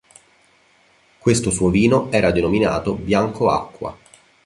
Questo suo vino era denominato Bianco Acqua.